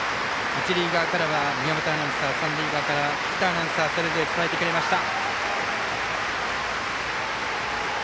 一塁側からは宮本アナウンサー三塁側からは菊田アナウンサーがそれぞれ伝えてくれました。